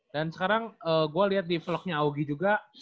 dan sekarang gue liat di vlognya augie juga